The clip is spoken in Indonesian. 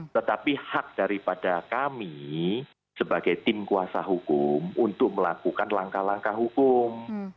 tetapi hak daripada kami sebagai tim kuasa hukum untuk melakukan langkah langkah hukum